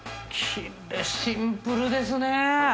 きれいシンプルですね。